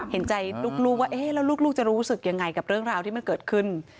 เห็นใจลูกว่าเอ๊ะแล้วลูกจะรู้สึกยังไงกับเรื่องราวที่มันเกิดขึ้น